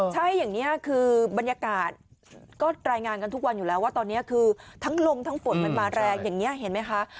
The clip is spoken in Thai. ใช่อย่างนี้คือบรรยากาศก็รายงานกันทุกวันอยู่แล้วว่าตอนนี้คือทั้งลมทั้งฝนมันมาแรงอย่างนี้เห็นไหมคะ